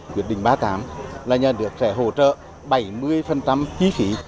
quyết định ba mươi tám là nhà nước sẽ hỗ trợ bảy mươi chi phí